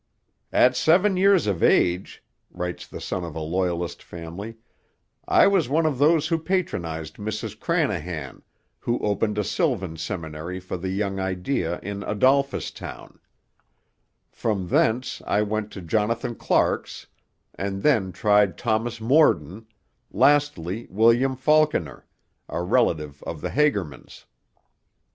'At seven years of age,' writes the son of a Loyalist family, 'I was one of those who patronized Mrs Cranahan, who opened a Sylvan Seminary for the young idea in Adolphustown; from thence, I went to Jonathan Clark's, and then tried Thomas Morden, lastly William Faulkiner, a relative of the Hagermans.